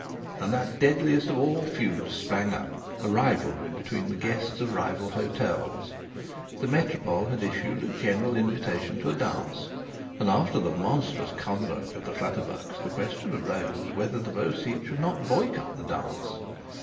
And that deadliest of all feuds sprang up a rivalry between the guests of rival hotels. The Métropole had issued a general invitation to a dance, and after the monstrous conduct of the Clutterbucks the question arose whether the Beau Site should not boycott the dance.